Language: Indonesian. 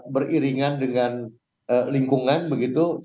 beriringan dengan lingkungan begitu